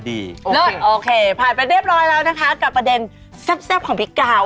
โอเคผ่านไปเรียบร้อยแล้วนะคะกับประเด็นแซ่บของพี่กาว